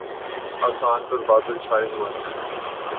آسان پر بادل چھاۓ ہوۓ ہیں